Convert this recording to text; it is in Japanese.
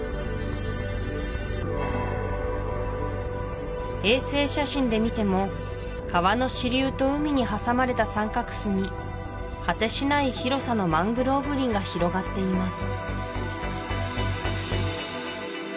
そこは衛星写真で見ても川の支流と海に挟まれた三角州に果てしない広さのマングローブ林が広がっています